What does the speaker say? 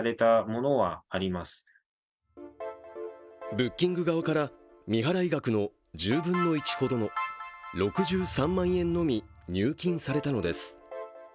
ブッキング側から未払い額の１０分の１ほどの６３万円のみ入金されたのです。